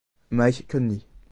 Mike Conley